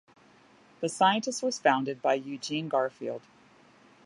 "The Scientist" was founded by Eugene Garfield.